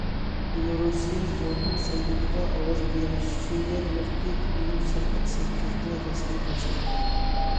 بېلورۇسىيە زۇڭتۇڭ سايلىمىغا ئاۋاز بېرىش شۇ يەر ۋاقتى تۈنۈگۈن سائەت سەككىزدە رەسمىي باشلاندى.